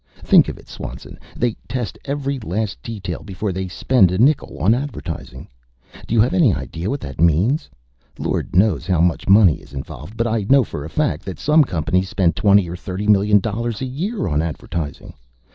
"Think of it, Swanson! They test every last detail before they spend a nickel on advertising! Do you have any idea what that means? Lord knows how much money is involved, but I know for a fact that some companies spend twenty or thirty million dollars a year on advertising.